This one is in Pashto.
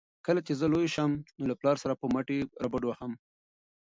کله چې زه لوی شم نو له پلار سره به مټې رابډوهم.